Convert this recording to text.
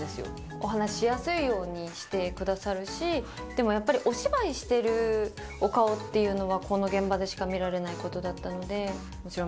お話しやすいようにしてくださるし、やっぱりお芝居してるお顔っていうのは、この現場でしか見られないことだったので。